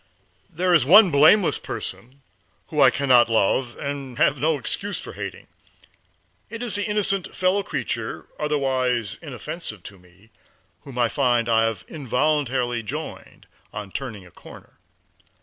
There is one blameless person whom I can not love and have no excuse for hating. It is the innocent fellow creature, otherwise inoffensive to me, whom I find I have involuntarily joined on turning a corner.